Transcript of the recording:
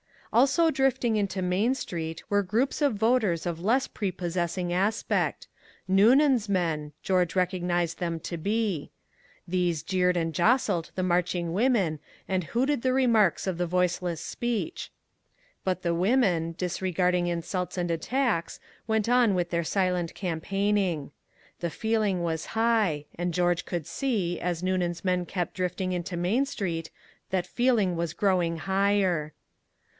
Also drifting into Main Street were groups of voters of less prepossessing aspect Noonan's men, George recognized them to be. These jeered and jostled the marching women and hooted the remarks of the Voiceless Speech but the women, disregarding insults and attacks, went on with their silent campaigning. The feeling was high and George could see, as Noonan's men kept drifting into Main Street, that feeling was growing higher.